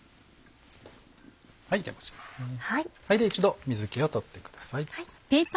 一度水気を取ってください。